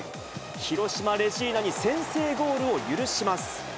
広島レジーナに先制ゴールを許します。